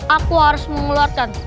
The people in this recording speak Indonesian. aku harus mengeluarkan